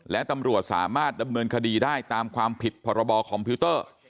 และตำรวจสามารถดำเนินคดีได้ตามความผิดพรบคอมพิวเตอร์